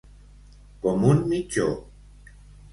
Com un mitjó.